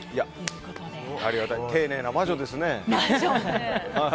丁寧な魔女ですね。